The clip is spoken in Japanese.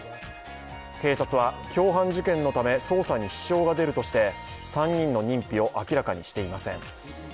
警察は共犯事件のため捜査に支障が出るとして３人の認否を明らかにしていません。